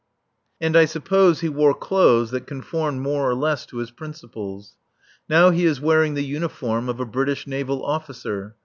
And I suppose he wore clothes that conformed more or less to his principles. Now he is wearing the uniform of a British naval officer.